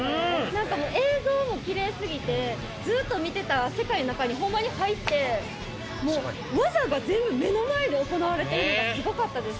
なんか映像もきれいすぎてずっと見てたら、世界の中にほんまに入って、もう技が全部、目の前で行われているのがすごかったです。